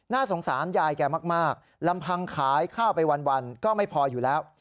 สงสารยายแกมากลำพังขายข้าวไปวันก็ไม่พออยู่แล้ว